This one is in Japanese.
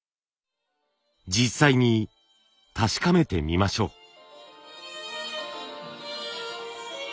実際に確かめてみましょう。